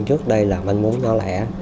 trước đây là bánh bún nhỏ lẻ